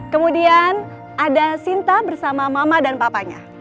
kemudian ada sinta bersama mama dan papanya